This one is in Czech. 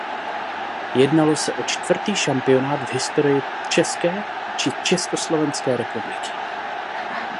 Jednalo se o čtvrtý šampionát v historii České či Československé republiky.